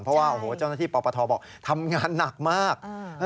เพราะว่าโอ้โหเจ้าหน้าที่ปปทบอกทำงานหนักมาก